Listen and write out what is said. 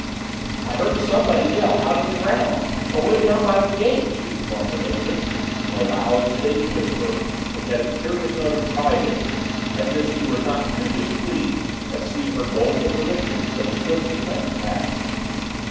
"I heard somebody yell out in the grounds away down by the gate!" she informed her mistress in a loud stage whisper which had a curious note of pride in it, as if she were not too displeased at seeing her doleful predictions so swiftly coming to pass.